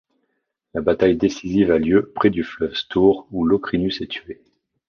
La bataille décisive a lieu près du fleuve Stour où Locrinus est tué.